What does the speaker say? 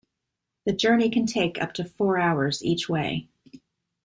The journey can take up to four hours each way.